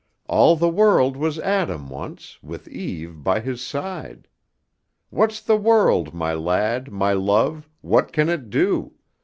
All the world was Adam once, with Eve by his side. What's the world, my lad, my love? What can it do?